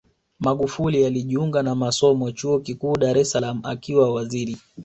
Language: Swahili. magufuli alijiunga na masomo chuo kikuu dar es salaam akiwa waziri